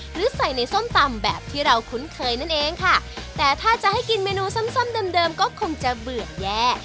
หรือใส่ในส้มตำแบบที่เราคุ้นเคยนั่นเองค่ะแต่ถ้าจะให้กินเมนูส้มส้มเดิมเดิมก็คงจะเบื่อแย่